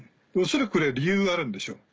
恐らくこれ理由があるんでしょう。